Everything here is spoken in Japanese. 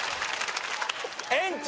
園長！